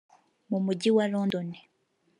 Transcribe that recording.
mu Mujyi wa London